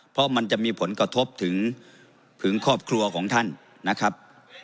เพราะมันจะมีผลกระทบถึงครอบครัวของท่านนะครับ